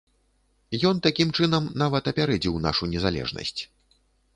Ён, такім чынам, нават апярэдзіў нашу незалежнасць.